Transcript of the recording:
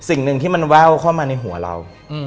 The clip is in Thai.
สิ่งหนึ่งที่มันแว่วเข้ามาในหัวเรา